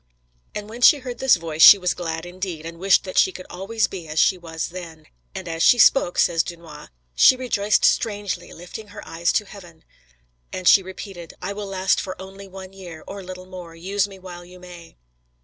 ] "And when she heard this Voice she was glad indeed, and wished that she could always be as she was then; and as she spoke," says Dunois, "she rejoiced strangely, lifting her eyes to heaven." And she repeated: "I will last for only one year, or little more; use me while you may."